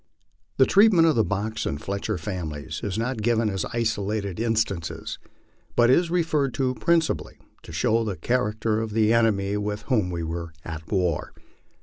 The treatment of the Box and Fletcher families is not given as isolated in stances, but is referred to principally to show the character of the enemy with whom we were at war.